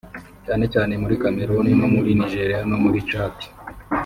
cyane cyane muri Cameroon no muri Nigeria no muri Tchad